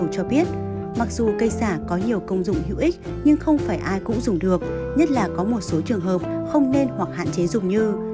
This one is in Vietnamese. mặc cho biết mặc dù cây xả có nhiều công dụng hữu ích nhưng không phải ai cũng dùng được nhất là có một số trường hợp không nên hoặc hạn chế dùng như